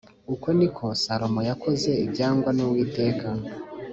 Uko ni ko Salomo yakoze ibyangwa n’Uwiteka